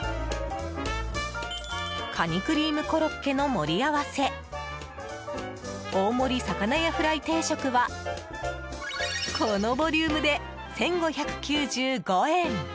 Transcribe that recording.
カニクリームコロッケの盛り合わせ大盛り魚屋フライ定食はこのボリュームで１５９５円。